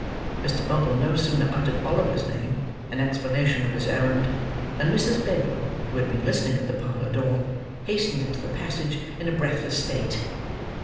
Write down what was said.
Mr. Bumble no sooner uttered Oliver's name, in explanation of his errand, than Mrs. Bedwin, who had been listening at the parlour door, hastened into the passage in a breathless state.